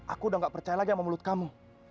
aku udah gak percaya lagi sama mulut kamu